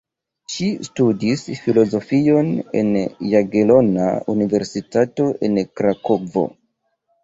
Ŝi studis filozofion en Jagelona Universitato en Krakovo.